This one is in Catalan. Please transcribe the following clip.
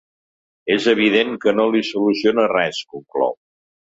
És evident que no li soluciona res, conclou.